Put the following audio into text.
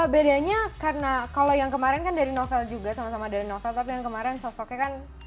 bedanya karena kalau yang kemarin kan dari novel juga sama sama dari novel tapi yang kemarin sosoknya kan